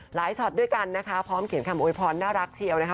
ช็อตด้วยกันนะคะพร้อมเขียนคำโวยพรน่ารักเชียวนะคะ